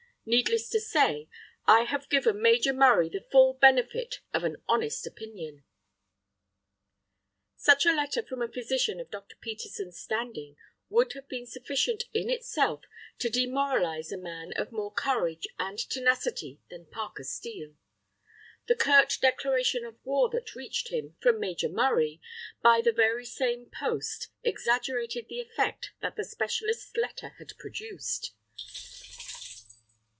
... Needless to say, I have given Major Murray the full benefit of an honest opinion." Such a letter from a physician of Dr. Peterson's standing would have been sufficient in itself to demoralize a man of more courage and tenacity than Parker Steel. The curt declaration of war that reached him from Major Murray, by the very same post, exaggerated the effect that the specialist's letter had produced.